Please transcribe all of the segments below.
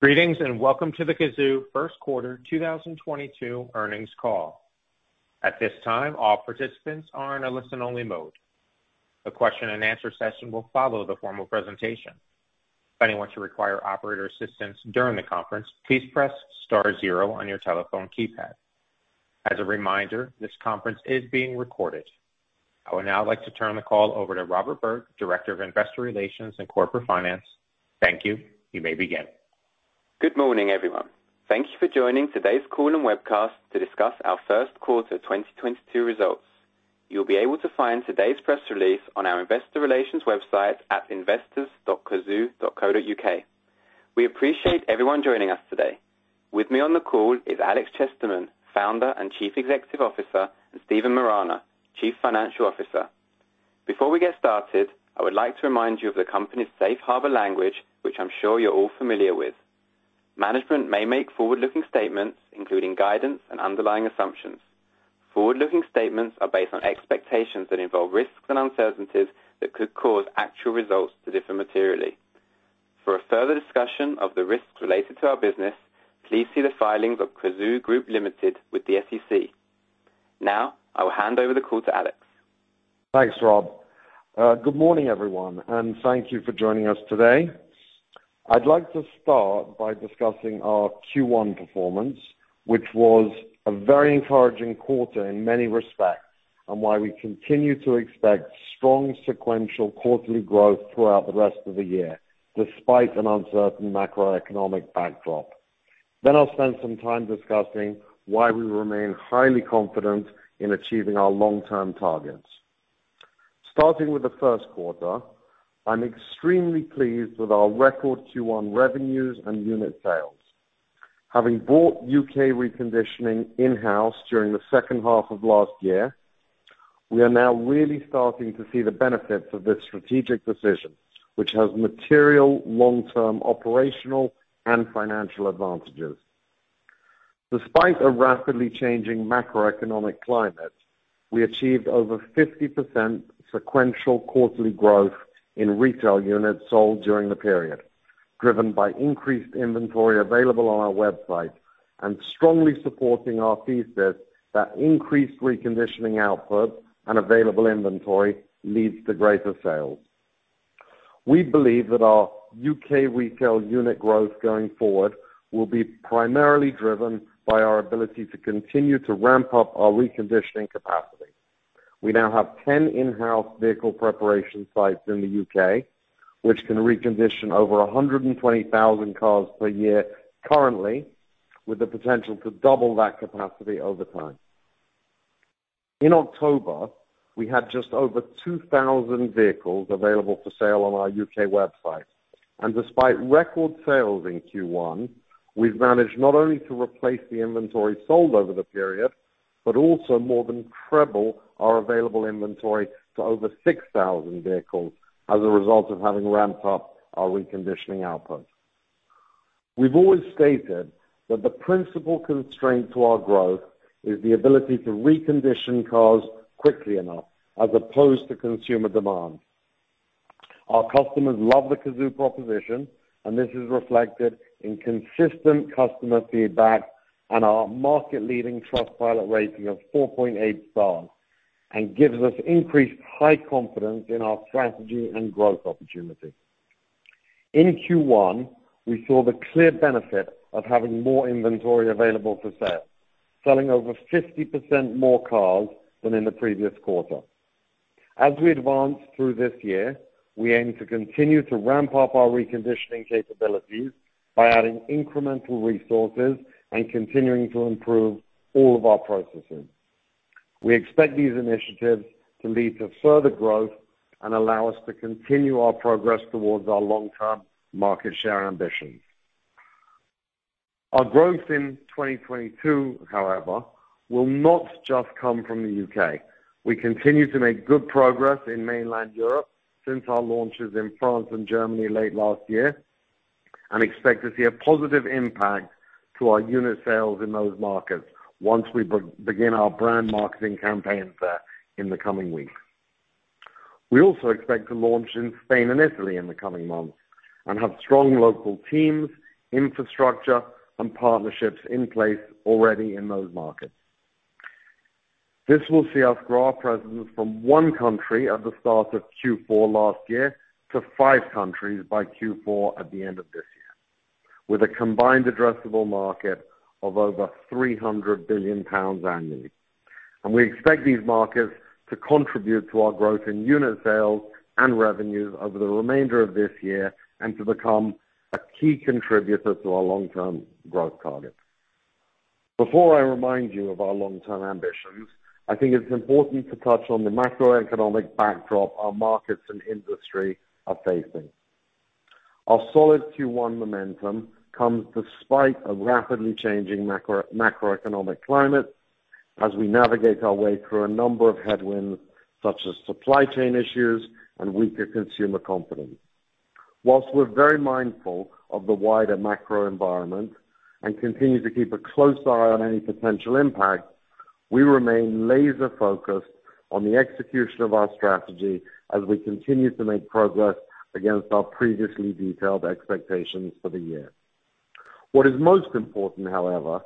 Greetings, and welcome to the Cazoo first quarter 2022 earnings call. At this time, all participants are in a listen-only mode. A question-and-answer session will follow the formal presentation. If anyone should require operator assistance during the conference, please press star zero on your telephone keypad. As a reminder, this conference is being recorded. I would now like to turn the call over to Robert Berg, Director of Investor Relations and Corporate Finance. Thank you. You may begin. Good morning, everyone. Thank you for joining today's call and webcast to discuss our first quarter 2022 results. You'll be able to find today's press release on our investor relations website at investors.cazoo.co.uk. We appreciate everyone joining us today. With me on the call is Alex Chesterman, Founder and Chief Executive Officer, and Stephen Morana, Chief Financial Officer. Before we get started, I would like to remind you of the company's safe harbor language, which I'm sure you're all familiar with. Management may make forward-looking statements, including guidance and underlying assumptions. Forward-looking statements are based on expectations that involve risks and uncertainties that could cause actual results to differ materially. For a further discussion of the risks related to our business, please see the filings of Cazoo Group Ltd with the SEC. Now, I will hand over the call to Alex. Thanks, Rob. Good morning, everyone, and thank you for joining us today. I'd like to start by discussing our Q1 performance, which was a very encouraging quarter in many respects, and why we continue to expect strong sequential quarterly growth throughout the rest of the year, despite an uncertain macroeconomic backdrop. I'll spend some time discussing why we remain highly confident in achieving our long-term targets. Starting with the first quarter, I'm extremely pleased with our record Q1 revenues and unit sales. Having bought U.K. reconditioning in-house during the second half of last year, we are now really starting to see the benefits of this strategic decision, which has material long-term operational and financial advantages. Despite a rapidly changing macroeconomic climate, we achieved over 50% sequential quarterly growth in retail units sold during the period, driven by increased inventory available on our website and strongly supporting our thesis that increased reconditioning output and available inventory leads to greater sales. We believe that our U.K. retail unit growth going forward will be primarily driven by our ability to continue to ramp up our reconditioning capacity. We now have 10 in-house vehicle preparation sites in the U.K., which can recondition over 120,000 cars per year currently, with the potential to double that capacity over time. In October, we had just over 2,000 vehicles available for sale on our U.K. Website. Despite record sales in Q1, we've managed not only to replace the inventory sold over the period, but also more than treble our available inventory to over 6,000 vehicles as a result of having ramped up our reconditioning output. We've always stated that the principal constraint to our growth is the ability to recondition cars quickly enough, as opposed to consumer demand. Our customers love the Cazoo proposition, and this is reflected in consistent customer feedback and our market-leading Trustpilot rating of 4.8 stars, and gives us increased high confidence in our strategy and growth opportunities. In Q1, we saw the clear benefit of having more inventory available for sale, selling over 50% more cars than in the previous quarter. As we advance through this year, we aim to continue to ramp up our reconditioning capabilities by adding incremental resources and continuing to improve all of our processes. We expect these initiatives to lead to further growth and allow us to continue our progress towards our long-term market share ambitions. Our growth in 2022, however, will not just come from the U.K. We continue to make good progress in mainland Europe since our launches in France and Germany late last year, and expect to see a positive impact to our unit sales in those markets once we begin our brand marketing campaigns there in the coming weeks. We also expect to launch in Spain and Italy in the coming months and have strong local teams, infrastructure, and partnerships in place already in those markets. This will see us grow our presence from one country at the start of Q4 last year to five countries by Q4 at the end of this year, with a combined addressable market of over 300 billion pounds annually. We expect these markets to contribute to our growth in unit sales and revenues over the remainder of this year and to become a key contributor to our long-term growth targets. Before I remind you of our long-term ambitions, I think it's important to touch on the macroeconomic backdrop our markets and industry are facing. Our solid Q1 momentum comes despite a rapidly changing macro, macroeconomic climate as we navigate our way through a number of headwinds, such as supply chain issues and weaker consumer confidence. While we're very mindful of the wider macro environment and continue to keep a close eye on any potential impact. We remain laser focused on the execution of our strategy as we continue to make progress against our previously detailed expectations for the year. What is most important, however,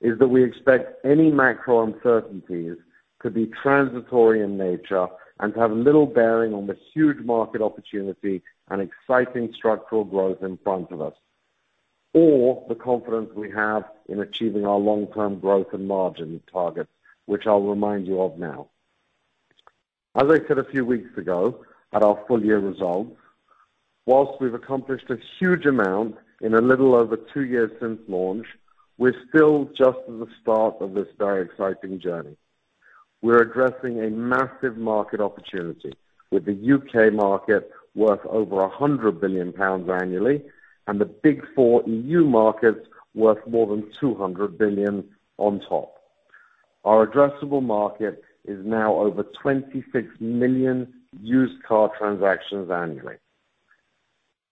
is that we expect any macro uncertainties to be transitory in nature and to have little bearing on the huge market opportunity and exciting structural growth in front of us, or the confidence we have in achieving our long-term growth and margin targets, which I'll remind you of now. As I said a few weeks ago at our full year results, while we've accomplished a huge amount in a little over two years since launch, we're still just at the start of this very exciting journey. We're addressing a massive market opportunity with the U.K. market worth over 100 billion pounds annually and the big four E.U. Markets worth more than 200 billion on top. Our addressable market is now over 26 million used car transactions annually.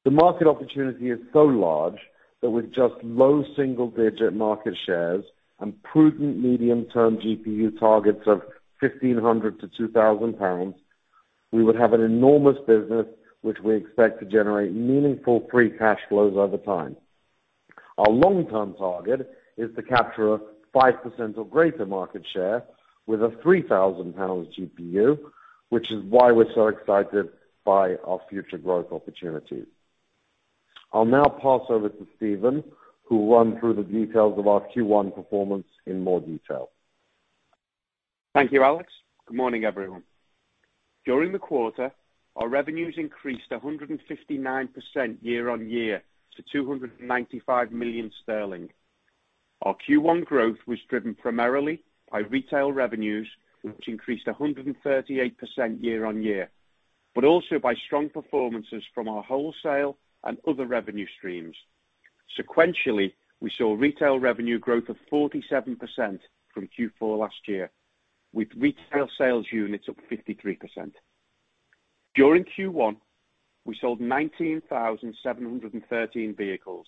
The market opportunity is so large that with just low single digit market shares and prudent medium-term GPU targets of 1,500-2,000 pounds, we would have an enormous business which we expect to generate meaningful free cash flows over time. Our long-term target is to capture 5% or greater market share with a 3,000 pounds GPU, which is why we're so excited by our future growth opportunities. I'll now pass over to Stephen, who will run through the details of our Q1 performance in more detail. Thank you, Alex. Good morning, everyone. During the quarter, our revenues increased 159% year-over-year to 295 million sterling. Our Q1 growth was driven primarily by retail revenues, which increased 138% year-over-year, but also by strong performances from our wholesale and other revenue streams. Sequentially, we saw retail revenue growth of 47% from Q4 last year, with retail sales units up 53%. During Q1, we sold 19,713 vehicles,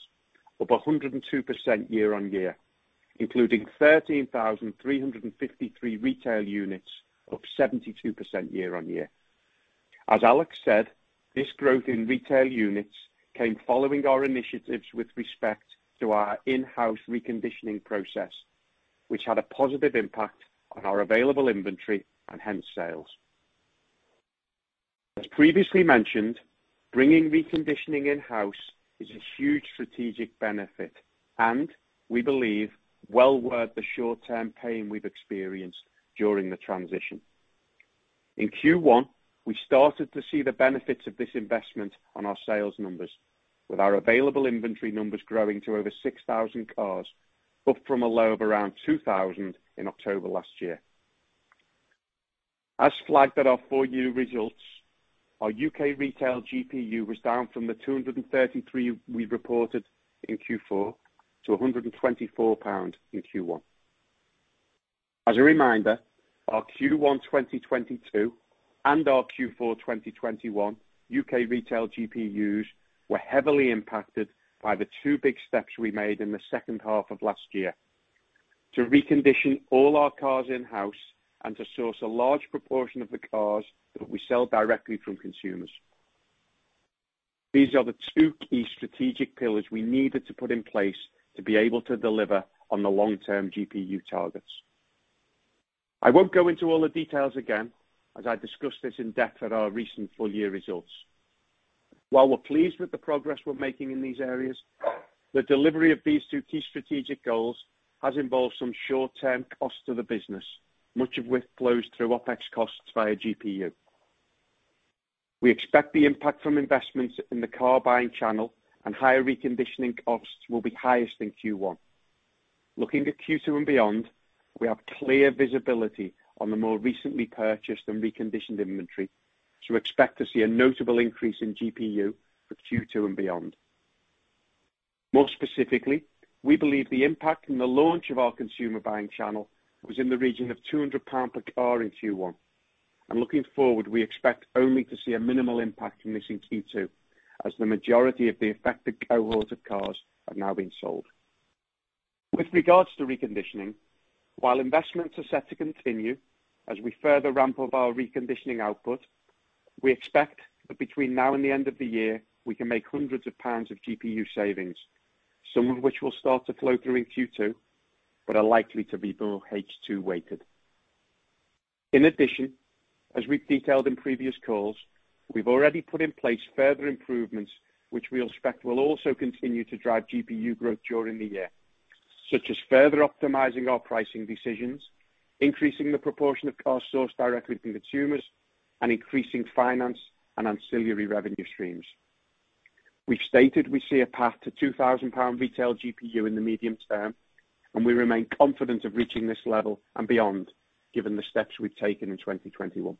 up 102% year-over-year, including 13,353 retail units up 72% year-over-year. As Alex said, this growth in retail units came following our initiatives with respect to our in-house reconditioning process, which had a positive impact on our available inventory and hence sales. As previously mentioned, bringing reconditioning in-house is a huge strategic benefit and we believe well worth the short-term pain we've experienced during the transition. In Q1, we started to see the benefits of this investment on our sales numbers with our available inventory numbers growing to over 6,000 cars, up from a low of around 2,000 in October last year. As flagged at our full year results, our U.K. Retail GPU was down from the 233 we reported in Q4 to 124 pounds in Q1. As a reminder, our Q1 2022 and our Q4 2021 U.K. retail GPUs were heavily impacted by the two big steps we made in the second half of last year to recondition all our cars in-house and to source a large proportion of the cars that we sell directly from consumers. These are the two key strategic pillars we needed to put in place to be able to deliver on the long-term GPU targets. I won't go into all the details again, as I discussed this in depth at our recent full year results. While we're pleased with the progress we're making in these areas, the delivery of these two key strategic goals has involved some short-term cost to the business, much of which flows through OpEx costs via GPU. We expect the impact from investments in the car buying channel and higher reconditioning costs will be highest in Q1. Looking to Q2 and beyond, we have clear visibility on the more recently purchased and reconditioned inventory, so expect to see a notable increase in GPU for Q2 and beyond. More specifically, we believe the impact in the launch of our consumer buying channel was in the region of 200 pound per car in Q1. Looking forward, we expect only to see a minimal impact from this in Q2 as the majority of the affected cohorts of cars have now been sold. With regards to reconditioning, while investments are set to continue as we further ramp up our reconditioning output, we expect that between now and the end of the year, we can make hundreds of GBP of GPU savings, some of which will start to flow through in Q2, but are likely to be more H2 weighted. In addition, as we've detailed in previous calls, we've already put in place further improvements, which we expect will also continue to drive GPU growth during the year, such as further optimizing our pricing decisions, increasing the proportion of cars sourced directly from consumers, and increasing finance and ancillary revenue streams. We've stated we see a path to 2,000 pound retail GPU in the medium term, and we remain confident of reaching this level and beyond given the steps we've taken in 2021.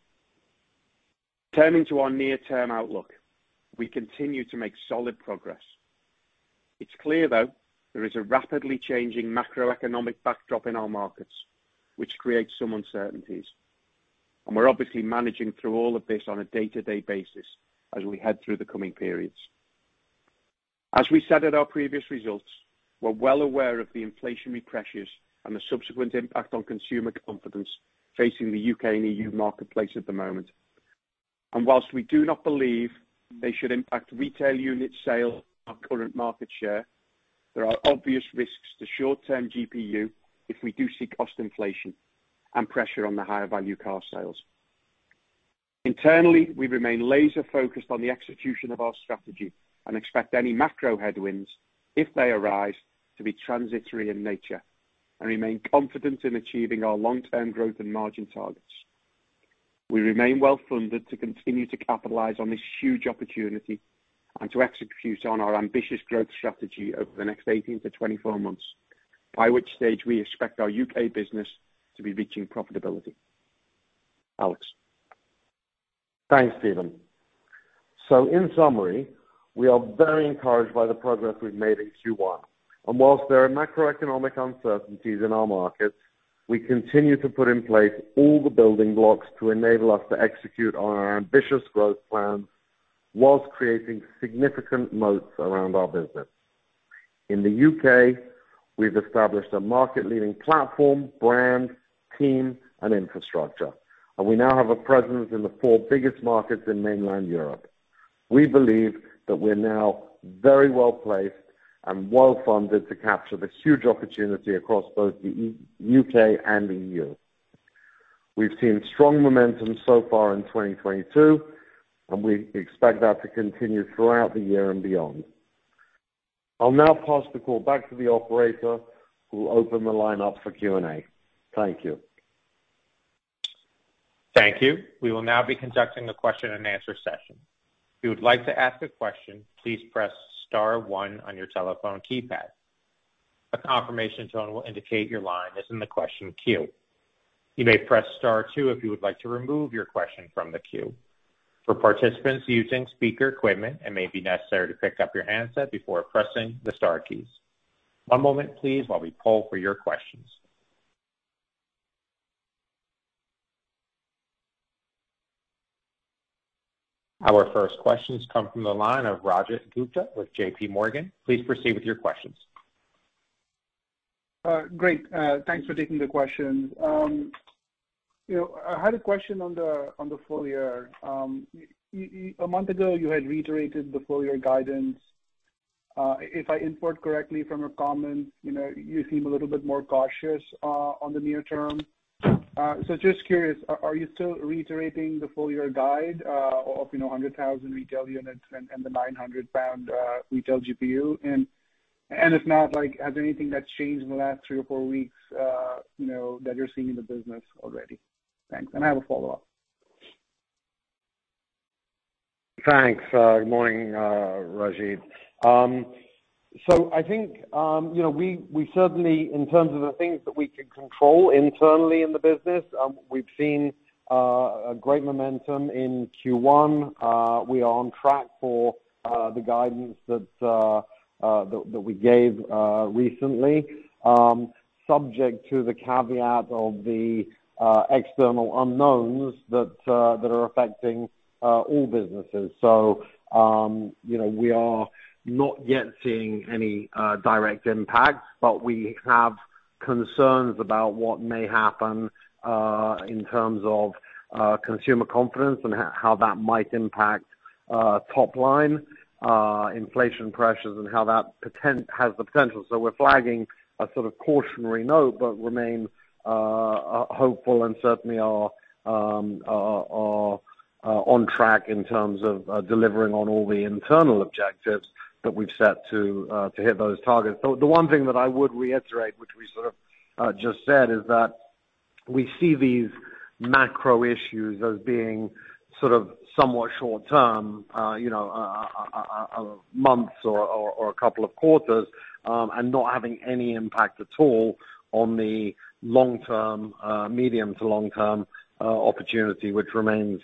Turning to our near-term outlook, we continue to make solid progress. It's clear, though, there is a rapidly changing macroeconomic backdrop in our markets which creates some uncertainties, and we're obviously managing through all of this on a day-to-day basis as we head through the coming periods. As we said at our previous results, we're well aware of the inflationary pressures and the subsequent impact on consumer confidence facing the U.K. and E.U. marketplace at the moment. While we do not believe they should impact retail unit sales or current market share, there are obvious risks to short-term GPU if we do see cost inflation and pressure on the higher value car sales. Internally, we remain laser focused on the execution of our strategy and expect any macro headwinds, if they arise, to be transitory in nature and remain confident in achieving our long-term growth and margin targets. We remain well-funded to continue to capitalize on this huge opportunity and to execute on our ambitious growth strategy over the next 18-24 months, by which stage we expect our U.K. business to be reaching profitability. Alex. Thanks, Stephen. In summary, we are very encouraged by the progress we've made in Q1. Whilst there are macroeconomic uncertainties in our markets, we continue to put in place all the building blocks to enable us to execute on our ambitious growth plans whilst creating significant moats around our business. In the U.K., we've established a market leading platform, brand, team, and infrastructure, and we now have a presence in the four biggest markets in mainland Europe. We believe that we're now very well placed and well funded to capture this huge opportunity across both the U.K. and E.U. We've seen strong momentum so far in 2022, and we expect that to continue throughout the year and beyond. I'll now pass the call back to the operator who will open the line up for Q&A. Thank you. Thank you. We will now be conducting a question-and-answer session. If you would like to ask a question, please press star one on your telephone keypad. A confirmation tone will indicate your line is in the question queue. You may press star two if you would like to remove your question from the queue. For participants using speaker equipment, it may be necessary to pick up your handset before pressing the star keys. One moment please while we poll for your questions. Our first questions come from the line of Rajat Gupta with JPMorgan, please proceed with your questions. Great. Thanks for taking the question. You know, I had a question on the full year. A month ago, you had reiterated the full year guidance. If I heard correctly from your comments, you know, you seem a little bit more cautious on the near term. Just curious, are you still reiterating the full year guide of 100,000 retail units and the 900 pound retail GPU? If not, like, has anything that's changed in the last three or four weeks, you know, that you're seeing in the business already? Thanks. I have a follow-up. Thanks. Good morning, Rajat. I think you know we certainly in terms of the things that we can control internally in the business we've seen a great momentum in Q1. We are on track for the guidance that we gave recently subject to the caveat of the external unknowns that are affecting all businesses. You know, we are not yet seeing any direct impacts, but we have concerns about what may happen in terms of consumer confidence and how that might impact top line, inflation pressures and how that has the potential. We're flagging a sort of cautionary note, but remain hopeful and certainly are on track in terms of delivering on all the internal objectives that we've set to hit those targets. The one thing that I would reiterate, which we sort of just said, is that we see these macro issues as being sort of somewhat short term, you know, months or a couple of quarters, and not having any impact at all on the long-term, medium to long-term, opportunity, which remains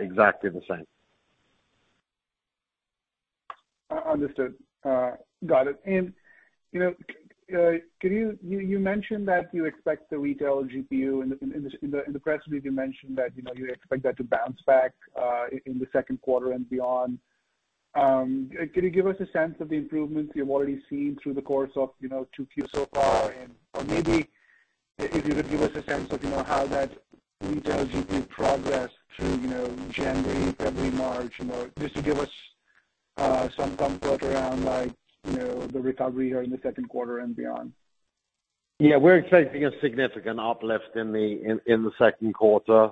exactly the same. Understood. Got it. You know, could you. You mentioned that you expect the retail GPU in the press release, you mentioned that, you know, you expect that to bounce back in the second quarter and beyond. Can you give us a sense of the improvements you've already seen through the course of, you know, two Qs so far? Or maybe if you could give us a sense of, you know, how that retail GPU progressed through, you know, January, February, March. You know, just to give us some comfort around, like, you know, the recovery here in the second quarter and beyond. Yeah. We're expecting a significant uplift in the second quarter.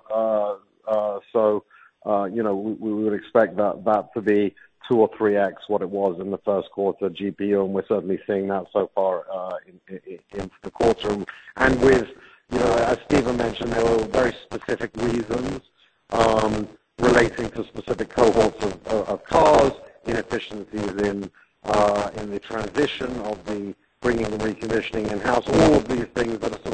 You know, we would expect that to be 2x or 3x what it was in the first quarter GPU, and we're certainly seeing that so far in the quarter. With you know, as Stephen mentioned, there were very specific reasons relating to specific cohorts of cars, inefficiencies in the transition of bringing the reconditioning in-house. All of these things that are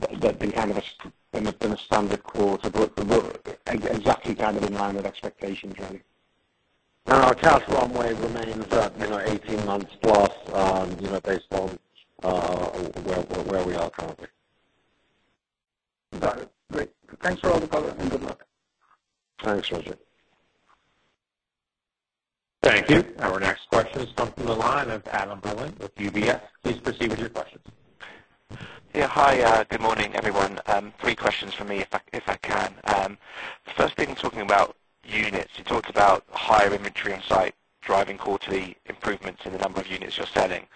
kind of a standard quarter. But exactly kind of in line with expectations, really. Our cash runway remains at, you know, 18 months, you know, based on where we are currently. Got it. Great. Thanks for all the color, and good luck. Thanks, Rajat. Thank you. Our next question comes from the line of Adam Berlin with UBS. Please proceed with your questions. Yeah. Hi, good morning, everyone. Three questions from me if I can. First thing talking about units. You talked about higher inventory on site driving quarterly improvements in the number of units you're selling.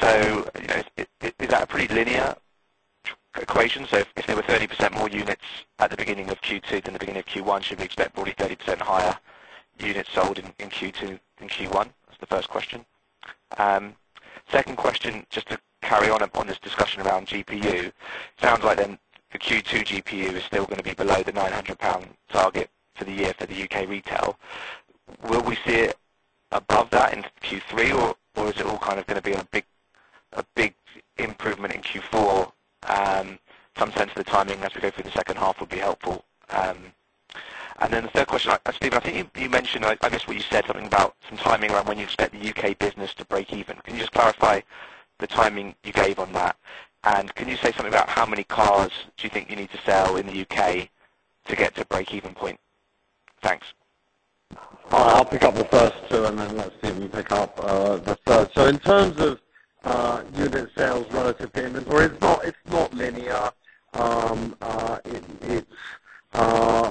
You know, is that a pretty linear equation? If there were 30% more units at the beginning of Q2 than the beginning of Q1, should we expect probably 30% higher units sold in Q2 than Q1? That's the first question. Second question, just to carry on upon this discussion around GPU. Sounds like then the Q2 GPU is still gonna be below the 900 pound target for the year for the U.K. retail. Will we see it above that in Q3, or is it all kind of gonna be a big improvement in Q4? Some sense of the timing as we go through the second half would be helpful. The third question. Stephen, I think you mentioned, I guess what you said something about some timing around when you expect the U.K. business to break even. Can you just clarify the timing you gave on that? Can you say something about how many cars do you think you need to sell in the U.K. to get to break-even point? Thanks. I'll pick up the first two and then let Stephen pick up the third. In terms of unit sales relative to inventory, it's not linear. It's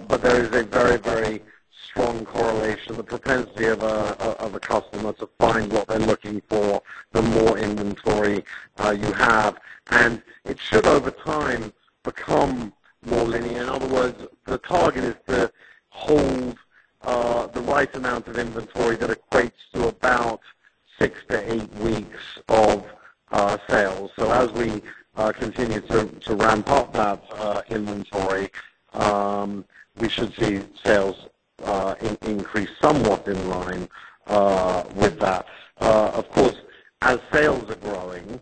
but there is a very strong correlation. The propensity of a customer to find what they're looking for, the more inventory you have. It should over time become more linear. In other words, the target is to hold the right amount of inventory that equates to about six to eight weeks of sales. As we continue to ramp up that inventory, we should see sales increase somewhat in line with that. Of course, as sales are growing,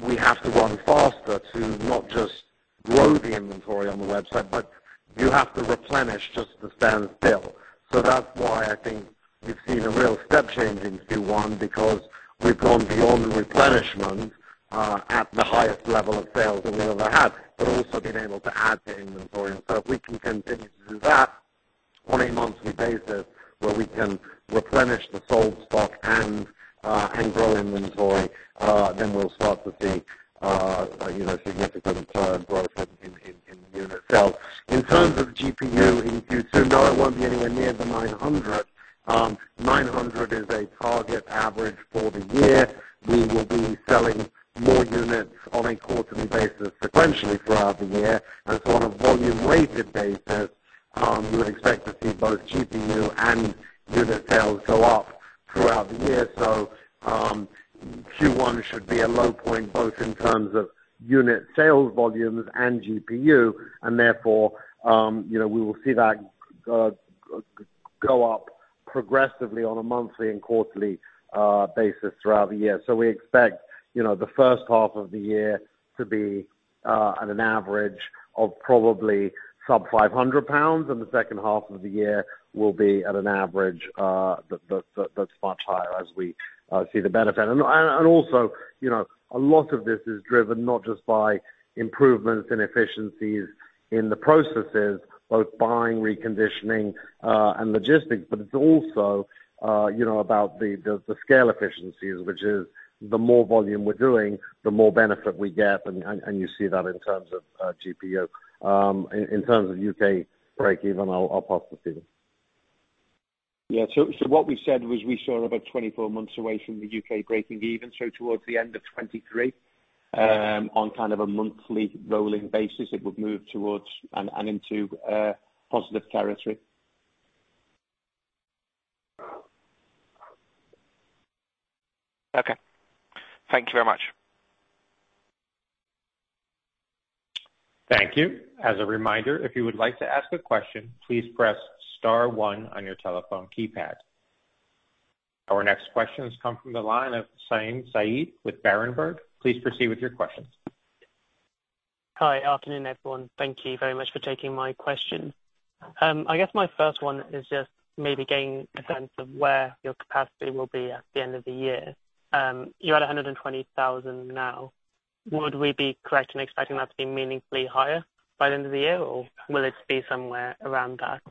we have to run faster to not just grow the inventory on the website, but you have to replenish just to stand still. That's why I think you've seen a real step change in Q1 because we've gone beyond replenishment at the highest level of sales that we've ever had, but also been able to add to inventory. If we can continue to do that on a monthly basis where we can replenish the sold stock and grow inventory, then we'll start to see, you know, significant growth in unit sales. In terms of GPU in Q2, no, it won't be anywhere near the 900. 900 is a target average for the year. We will be selling more units on a quarterly basis sequentially throughout the year. On a volume weighted basis, you would expect to see both GPU and unit sales go up throughout the year. Q1 should be a low point, both in terms of unit sales volumes and GPU, and therefore, you know, we will see that grow up progressively on a monthly and quarterly basis throughout the year. We expect, you know, the first half of the year to be at an average of probably sub 500 pounds, and the second half of the year will be at an average that's much higher as we see the benefit. Also, you know, a lot of this is driven not just by improvements in efficiencies in the processes, both buying, reconditioning, and logistics, but it's also, you know, about the scale efficiencies, which is the more volume we're doing, the more benefit we get. You see that in terms of GPU. In terms of U.K. Break even, I'll pass to Stephen. What we said was we saw about 24 months away from the U.K. breaking even, towards the end of 2023. On kind of a monthly rolling basis, it would move towards and into positive territory. Okay. Thank you very much. Thank you. As a reminder, if you would like to ask a question, please press star one on your telephone keypad. Our next question comes from the line of Saim Saeed with Berenberg. Please proceed with your questions. Hi. Afternoon, everyone. Thank you very much for taking my question. I guess my first one is just maybe gaining a sense of where your capacity will be at the end of the year. You're at 120,000 now. Would we be correct in expecting that to be meaningfully higher by the end of the year, or will it be somewhere around that?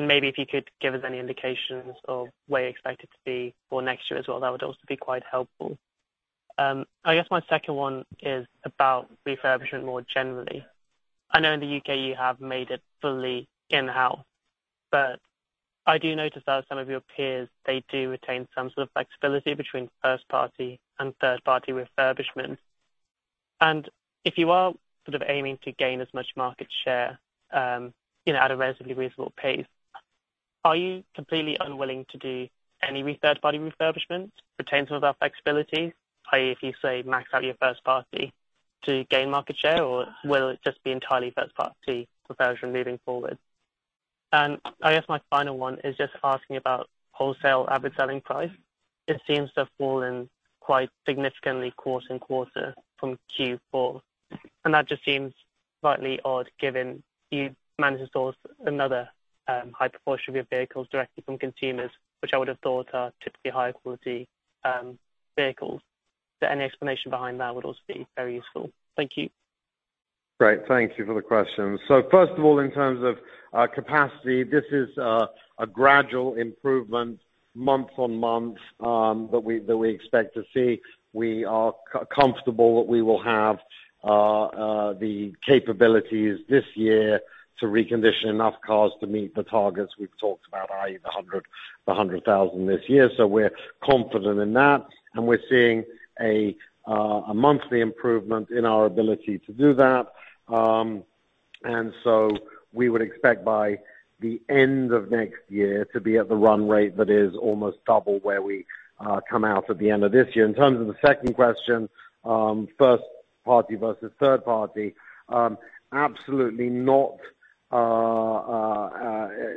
Maybe if you could give us any indications of where you expect it to be for next year as well. That would also be quite helpful. I guess my second one is about refurbishment more generally. I know in the U.K. you have made it fully in-house, but I do notice that some of your peers, they do retain some sort of flexibility between first party and third party refurbishment. If you are sort of aiming to gain as much market share, you know, at a relatively reasonable pace, are you completely unwilling to do any third-party refurbishment, retain some of that flexibility, i.e., if you say max out your first-party to gain market share, or will it just be entirely first-party refurbishment moving forward? I guess my final one is just asking about wholesale average selling price. It seems to have fallen quite significantly quarter-over-quarter from Q4. That just seems slightly odd given you've managed to source another, high proportion of your vehicles directly from consumers, which I would have thought are typically higher quality, vehicles. Any explanation behind that would also be very useful. Thank you. Great. Thank you for the question. First of all, in terms of capacity, this is a gradual improvement month-on-month that we expect to see. We are comfortable that we will have the capabilities this year to recondition enough cars to meet the targets we've talked about, i.e., 100,000 this year. We're confident in that, and we're seeing a monthly improvement in our ability to do that. We would expect by the end of next year to be at the run rate that is almost double where we come out at the end of this year. In terms of the second question, first party versus third party, absolutely not,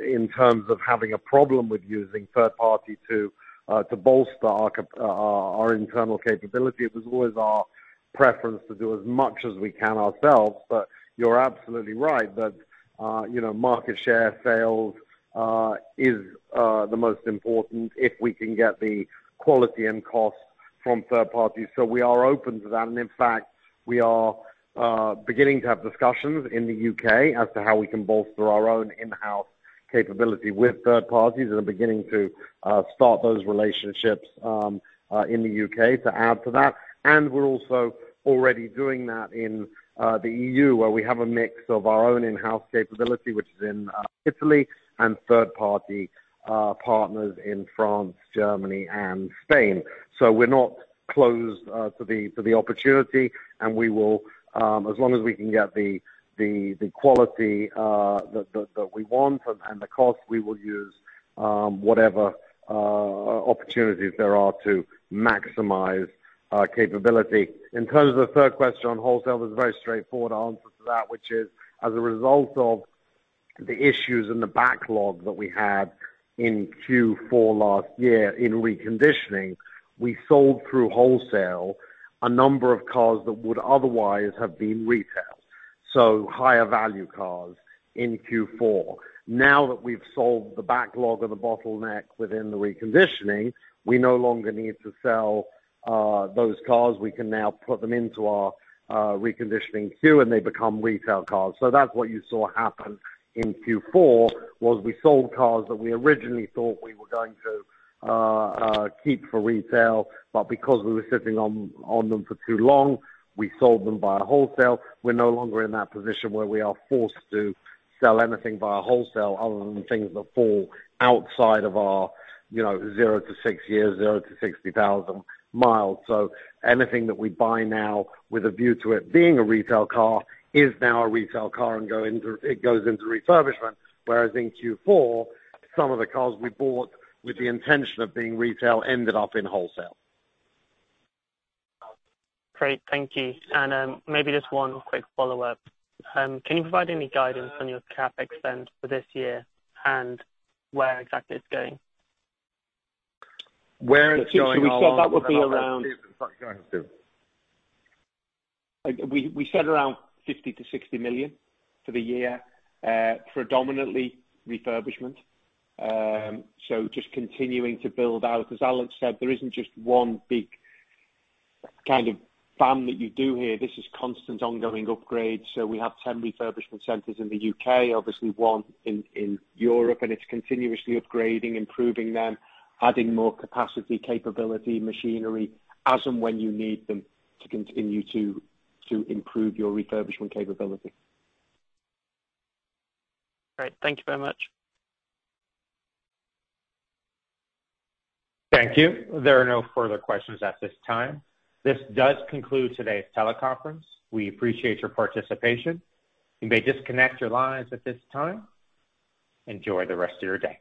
in terms of having a problem with using third party to bolster our CapEx. Our internal capability. It was always our preference to do as much as we can ourselves. You're absolutely right that, you know, market share sales is the most important if we can get the quality and cost from third parties. We are open to that. In fact, we are beginning to have discussions in the U.K. as to how we can bolster our own in-house capability with third parties. We are beginning to start those relationships in the U.K. To add to that. We're also already doing that in the E.U., where we have a mix of our own in-house capability, which is in Italy and third party partners in France, Germany and Spain. We're not closed to the opportunity. We will, as long as we can get the quality that we want and the cost, we will use whatever opportunities there are to maximize our capability. In terms of the third question on wholesale, there's a very straightforward answer to that, which is as a result of the issues and the backlog that we had in Q4 last year in reconditioning, we sold through wholesale a number of cars that would otherwise have been retailed. Higher value cars in Q4. Now that we've solved the backlog or the bottleneck within the reconditioning, we no longer need to sell those cars. We can now put them into our reconditioning queue and they become retail cars. That's what you saw happen in Q4, was we sold cars that we originally thought we were going to keep for retail. But because we were sitting on them for too long, we sold them via wholesale. We're no longer in that position where we are forced to sell anything via wholesale other than things that fall outside of our zero to six years, 0-60,000 mi. Anything that we buy now with a view to it being a retail car is now a retail car and it goes into refurbishment. Whereas in Q4, some of the cars we bought with the intention of being retail ended up in wholesale. Great. Thank you. Maybe just one quick follow-up. Can you provide any guidance on your CapEx spend for this year and where exactly it's going? Where it's going. We said that would be around. Go ahead, Stephen. We said around 50 million-60 million for the year. Predominantly refurbishment. So just continuing to build out. As Alex said, there isn't just one big kind of bam that you do here. This is constant ongoing upgrades. We have 10 refurbishment centers in the U.K., obviously one in Europe. It's continuously upgrading, improving them, adding more capacity, capability, machinery as and when you need them to continue to improve your refurbishment capability. Great. Thank you very much. Thank you. There are no further questions at this time. This does conclude today's teleconference. We appreciate your participation. You may disconnect your lines at this time. Enjoy the rest of your day.